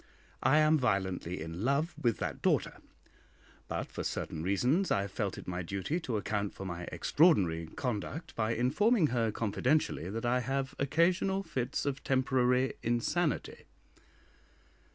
I am violently in love with that daughter, but for certain reasons I have felt it my duty to account for my extraordinary conduct by informing her confidentially that I have occasional fits of temporary insanity.